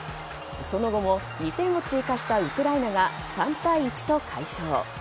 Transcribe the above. その後も２点を追加したウクライナが３対１と快勝。